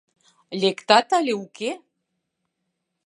Лектат але уке?